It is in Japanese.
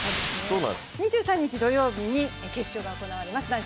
２３日土曜日に決勝が行われます。